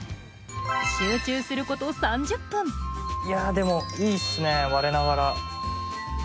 集中すること３０分いやでもいいっすね我ながら。